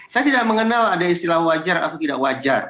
saya tidak mengenal ada istilah wajar atau tidak wajar